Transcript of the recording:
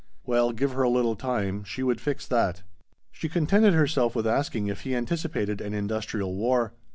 Well, give her a little time, she would fix that! She contented herself with asking if he anticipated an industrial war.